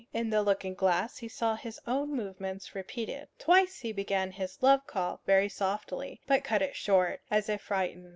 In the looking glass he saw his own movements repeated. Twice he began his love call very softly, but cut it short, as if frightened.